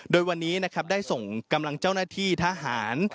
โดยวันนี้นะครับได้ส่งกำลังเจ้าหน้าที่ทหาร